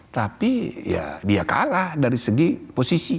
tapi ya dia kalah dari segi posisi